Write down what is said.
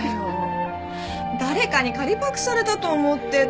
誰かに借りパクされたと思ってた。